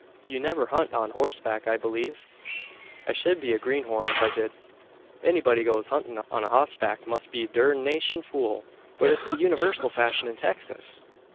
"You never hunt on horseback, I believe?" "I shed be a greenhorn if I dud. Anybody as goes huntin' a hossback must be a durnation fool!" "But it's the universal fashion in Texas!"